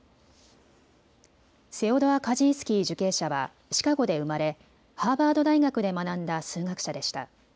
セオドア・カジンスキー受刑者はシカゴで生まれハーバード大学で学んだ数学者でした。